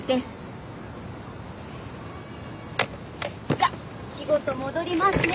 じゃ仕事戻りますね。